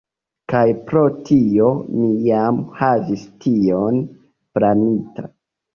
Kaj pro tio mi jam havis tion planita.